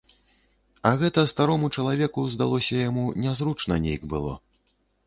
А гэта старому чалавеку, здалося яму, нязручна нейк было.